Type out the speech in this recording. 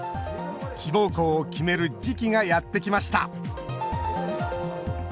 志望校を決める時期がやってきました。